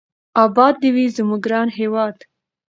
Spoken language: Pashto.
اباد دې وي زموږ ګران هېواد.